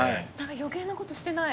余計な事してない。